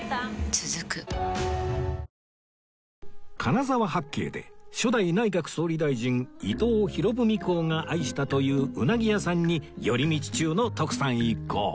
続く金沢八景で初代内閣総理大臣伊藤博文公が愛したという鰻屋さんに寄り道中の徳さん一行